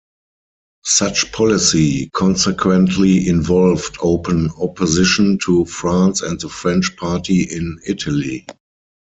Such policy consequently involved open opposition to France and the French party in Italy.